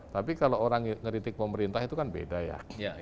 tapi kalau orang ngeritik pemerintah itu kan beda ya